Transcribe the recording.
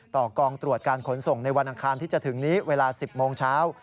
กองตรวจการขนส่งในวันอังคารที่จะถึงนี้เวลา๑๐โมงเช้า